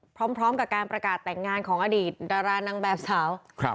พร้อมกับการประกาศแต่งงานของอดีตดารานางแบบสาว